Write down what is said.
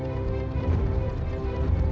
nanti aku akan datang